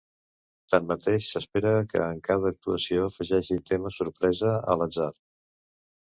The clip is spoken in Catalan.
Tanmateix, s’espera que en cada actuació afegeixin temes sorpresa a l’atzar.